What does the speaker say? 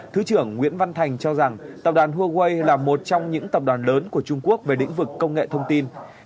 thứ trưởng nguyễn văn thành cho rằng tập đoàn huawei là một trong những tập đoàn lớn của trung quốc về lĩnh vực công nghệ thông tin